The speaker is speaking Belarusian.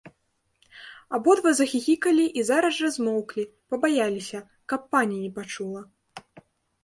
Абодва захіхікалі і зараз жа змоўклі, пабаяліся, каб пані не пачула.